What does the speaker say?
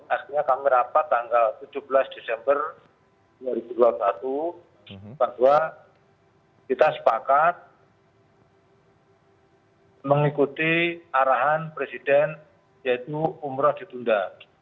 artinya kami rapat tanggal tujuh belas desember dua ribu dua puluh satu bahwa kita sepakat mengikuti arahan presiden yaitu umroh ditunda